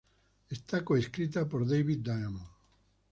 Esta coescrita por David Diamond.